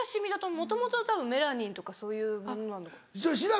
もともとたぶんメラニンとかそういうものなのかな？